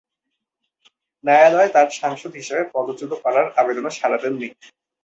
ন্যায়ালয় তার সাংসদ হিসেবে পদচ্যুত করার আবেদনে সাড়া দেন নি।